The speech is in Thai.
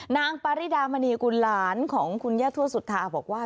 นางปาริดามณีกุลหลานของคุณย่าทั่วสุธาบอกว่า